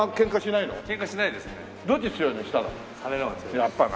やっぱな。